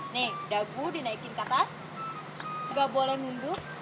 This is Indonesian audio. nih dagu dinaikin ke atas gak boleh mundur